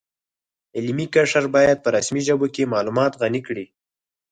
علمي قشر باید په رسمي ژبو کې معلومات غني کړي